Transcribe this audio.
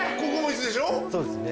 そうですね。